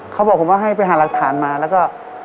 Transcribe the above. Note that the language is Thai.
เขาบอกผมว่าให้ไปหารักฐานมาแล้วก็